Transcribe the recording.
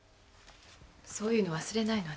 そういうの忘れないの。